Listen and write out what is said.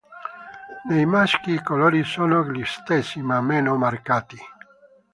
Nei maschi i colori sono gli stessi, ma meno marcati.